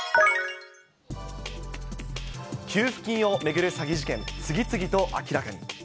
給付金を巡る詐欺事件、次々と明らかに。